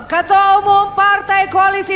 ketua umum partai koalisi